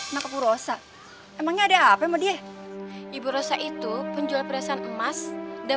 nangkep u rosa emangnya ada apa apa dia ibu rosa itu penjual perhiasan emas dan